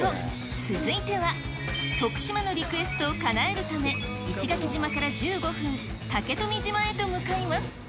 続いては、徳島のリクエストをかなえるため、石垣島から１５分、竹富島へと向かいます。